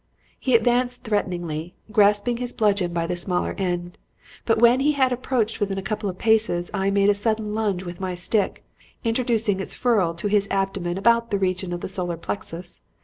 He advanced threateningly, grasping his bludgeon by the smaller end, but when he had approached within a couple of paces I made a sudden lunge with my stick, introducing its ferrule to his abdomen about the region of the solar plexus.